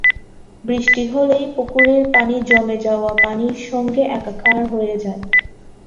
বৃষ্টি হলেই পুকুরের পানি জমে যাওয়া পানির সঙ্গে একাকার হয়ে যায়।